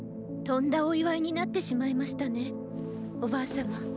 とんだお祝いになってしまいましたねおバァ様。